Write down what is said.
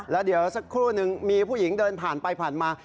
แล้วเดี๋ยวสักครู่นึงมีผู้หญิงเดินผ่านไปผ่านมา